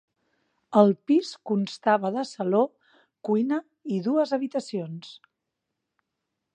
El pis constava de saló, cuina i dues habitacions.